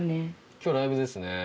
今日ライブですね。